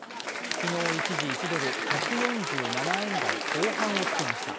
昨日、一時１ドル＝１４７円台後半をつけました。